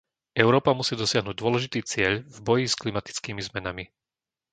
Európa musí dosiahnuť dôležitý cieľ v boji s klimatickými zmenami.